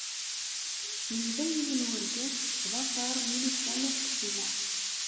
Yebda yiwen n urgaz yettḍafar Milisa n At Ksila.